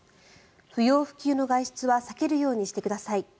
不要不急の外出は避けるようにしてください。